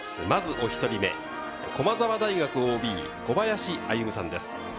まずお１人目、駒澤大学ＯＢ・小林歩さんです。